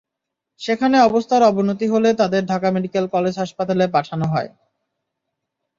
সেখানে অবস্থার অবনতি হলে তাঁদের ঢাকা মেডিকেল কলেজ হাসপাতালে পাঠানো হয়।